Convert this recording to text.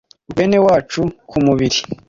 bene wacu ku mubiri